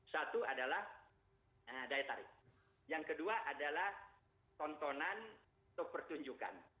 satu adalah daya tarik yang kedua adalah tontonan atau pertunjukan